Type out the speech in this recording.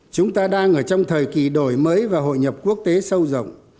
chúng ta đang ở trong thời kỳ đổi mới và hội nhập quốc tế sâu rộng